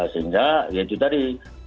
sehingga ya itu tadi